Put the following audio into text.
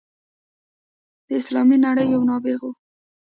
د اسلامي نړۍ یو نابغه وو.